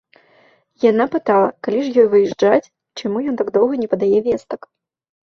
Яна пытала, калі ж ёй выязджаць і чаму ён так доўга не падае вестак.